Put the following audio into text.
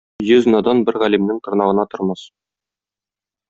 Йөз надан бер галимнең тырнагына тормас.